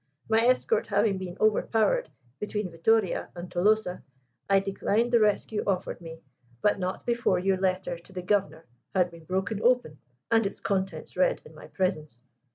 My escort having been overpowered between Vittoria and Tolosa, I declined the rescue offered me, but not before your letter to the Governor had been broken open and its contents read, in my presence.